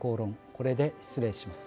これで失礼します。